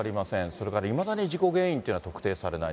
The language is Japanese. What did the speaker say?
それからいまだに事故原因というのは特定されない。